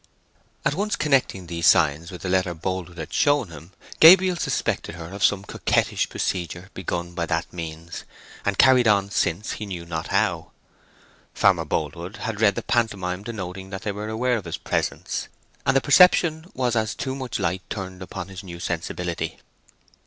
At once connecting these signs with the letter Boldwood had shown him, Gabriel suspected her of some coquettish procedure begun by that means, and carried on since, he knew not how. Farmer Boldwood had read the pantomime denoting that they were aware of his presence, and the perception was as too much light turned upon his new sensibility.